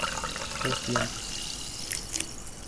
los dientes.